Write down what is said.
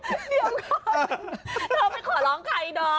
เธอไม่ขอร้องใครดอม